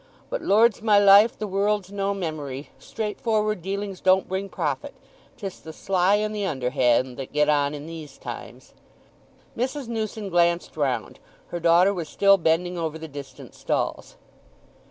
But Lord's my life—the world's no memory; straightforward dealings don't bring profit—'tis the sly and the underhand that get on in these times!" Mrs. Newson glanced round—her daughter was still bending over the distant stalls.